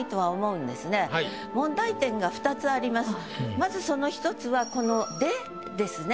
まずその１つはこの「で」ですね。